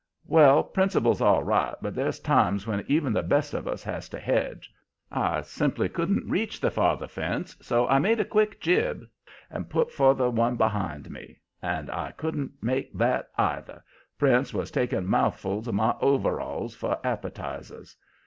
"Well, principle's all right, but there's times when even the best of us has to hedge. I simply couldn't reach the farther fence, so I made a quick jibe and put for the one behind me. And I couldn't make that, either. Prince was taking mouthfuls of my overalls for appetizers.